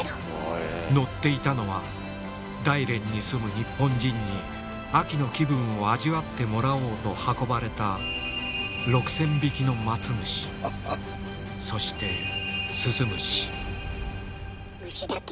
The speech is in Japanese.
乗っていたのは大連に住む日本人に秋の気分を味わってもらおうと運ばれた虫だけ。